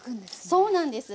そうなんです。